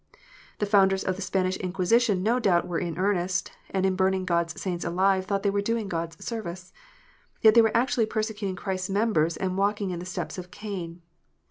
The founders of the Spanish Inquisition no doubt were in earnest, and in burning God s saints alive thought they were doing God service ; yet they were actually persecuting Christ s members and walking in the steps of Cain.